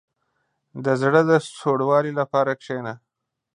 • د زړه د سوړوالي لپاره کښېنه.